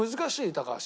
高橋。